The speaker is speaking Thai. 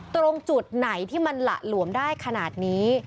ตรงจุดไหนที่มันหละหลวมได้ขนาดนี้